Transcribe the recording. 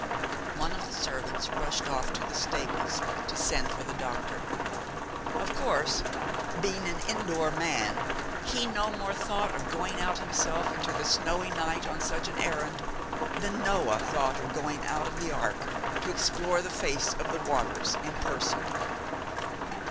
One of the servants rushed off to the stables to send for the doctor. Of course, being an indoor man, he no more thought of going out himself into the snowy night on such an errand than Noah thought of going out of the ark to explore the face of the waters in person.